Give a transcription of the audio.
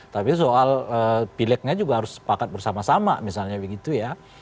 tapi soal pileknya juga harus sepakat bersama sama misalnya begitu ya